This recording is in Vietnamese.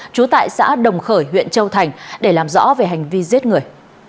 trú tại xã đồng khởi huyện châu thành để làm rõ về hành vi giết người